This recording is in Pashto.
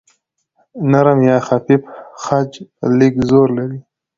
نرم یا خفیف خج لږ زور لري.